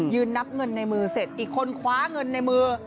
นับเงินในมือเสร็จอีกคนคว้าเงินในมือ